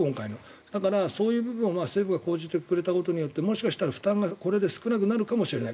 だから、そういう部分は政府が講じてくれた面でもしかしたら負担がこれで少なくなるかもしれない。